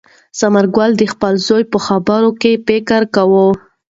ثمر ګل د خپل زوی په خبرو کې فکر کاوه.